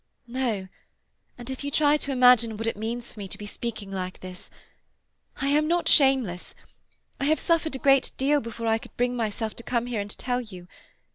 "No—and if you try to imagine what it means for me to be speaking like this—I am not shameless. I have suffered a great deal before I could bring myself to come here and tell you.